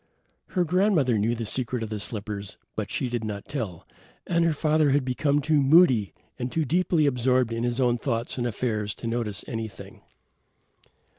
Her grandmother knew the secret of the slippers, but she did not tell, and her father had become too moody and too deeply absorbed in his own thoughts and affairs to notice anything.